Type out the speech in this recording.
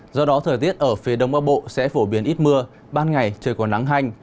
do đó thời tiết ở phía đông bắc bộ sẽ phổ biến ít mưa ban ngày trời còn nắng hành